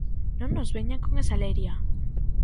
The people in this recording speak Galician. Non nos veñan con esa leria.